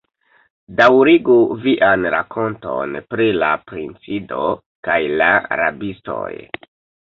Daŭrigu vian rakonton pri la princido kaj la rabistoj.